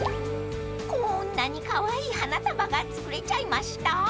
［こんなにカワイイ花束が作れちゃいました］